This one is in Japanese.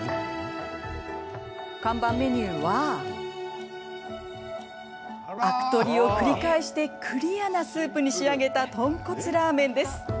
看板メニューはアク取りを繰り返してクリアなスープに仕上げた豚骨ラーメンです。